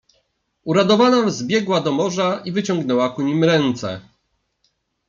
"Uradowana zbiegła do morza i wyciągnęła ku nim ręce."